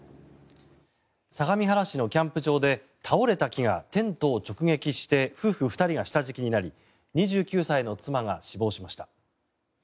相模原市のキャンプ場で倒れた木がテントを直撃して夫婦２人が下敷きになり２９歳の妻が死亡しました。